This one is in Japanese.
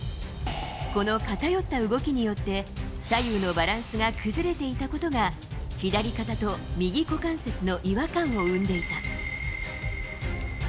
この偏った動きによって、左右のバランスが崩れていたことが、左肩と右股関節の違和感を生んでいた。